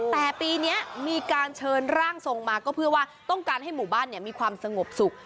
แต่ปีนี้มีการเชิญร่างทรงมาก็เพื่อว่าต้องการให้หมู่บ้านมีความสงบสุข